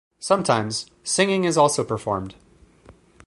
Sometimes, singing is also performed.